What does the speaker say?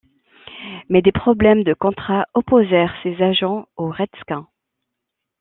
Mais des problèmes de contrats opposèrent ses agents aux Redskins.